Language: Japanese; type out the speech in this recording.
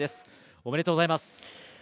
おめでとうございます。